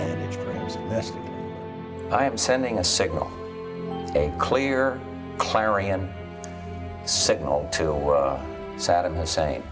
saya mengirimkan sinyal sinyal yang jelas dan jelas kepada saddam hussein